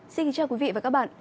xin kính chào quý vị và các bạn